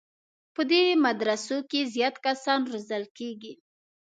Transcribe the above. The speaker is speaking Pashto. په دې مدرسو کې زیات کسان روزل کېږي.